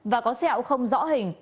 và có xeo không rõ hình